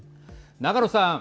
長野さん。